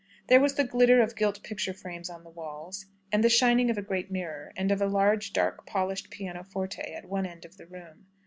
There was the glitter of gilt picture frames on the walls, and the shining of a great mirror, and of a large, dark, polished pianoforte at one end of the room.